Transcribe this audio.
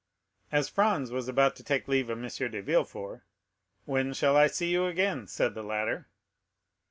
As Franz was about to take leave of M. de Villefort, "When shall I see you again?" said the latter.